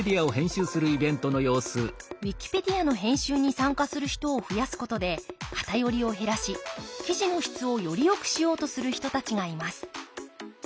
ウィキペディアの編集に参加する人を増やすことで偏りを減らし記事の質をよりよくしようとする人たちがいます。